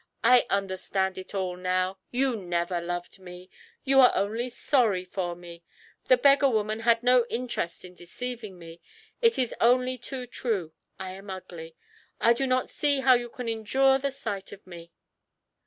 I understand it all now; you never loved me; you are only sorry for me. The beggar woman had no interest in deceiving me. It is only too true I am ugly. I do not see how you can endure the sight of me."